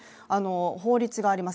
法律があります。